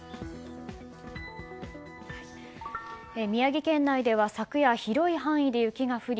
宮城県内では昨夜広い範囲で雪が降り